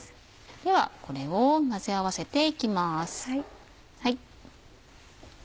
ではこれを混ぜ合わせていきます。